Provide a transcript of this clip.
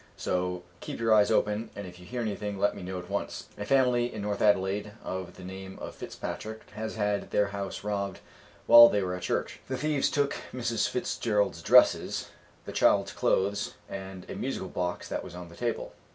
So keep your eyes open, and if you hear anything let me know at once. A family in North Adelaide of the name of Fitzpatrick has had their house robbed while they were at church. The thieves took Mrs. Fitzgerald's dresses, the child's clothes, and a musical box that was on the table.